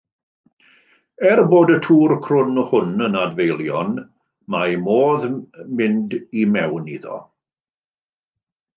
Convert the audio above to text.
Er bod y tŵr crwn hwn yn adfeilion mae modd mynd i mewn iddo.